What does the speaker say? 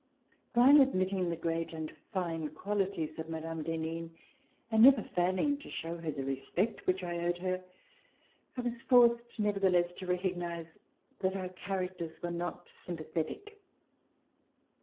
While admitting the great and fine qualities of Mme. d'Henin, and never failing to show her the respect which I owed her, I was forced nevertheless to recognize that our characters were not sympathetic.